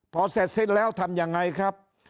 พอเสร็จสิ้นแล้วทำยังไงครับ